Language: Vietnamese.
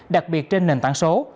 đặc biệt trên nền tảng số